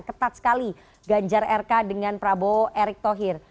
ketat sekali ganjar rk dengan prabowo erick thohir